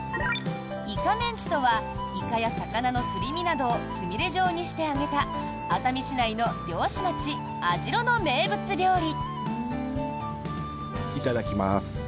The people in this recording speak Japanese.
イカメンチとはイカや魚のすり身などをつみれ状にして揚げた熱海市内の漁師町・網代の名物料理。